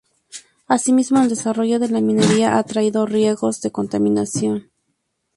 Asimismo el desarrollo de la minería ha traído riegos de contaminación.